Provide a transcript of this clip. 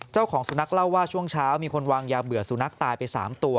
เจ้าของสุนัขเล่าว่าช่วงเช้ามีคนวางยาเบื่อสุนัขตายไป๓ตัว